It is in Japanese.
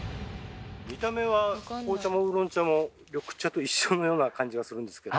見た目は紅茶もウーロン茶も緑茶と一緒のような感じがするんですけど。